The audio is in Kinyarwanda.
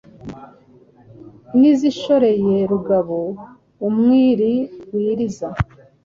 N'izishoreye Rugabo umwiri.wiriza